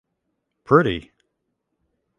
Pretty!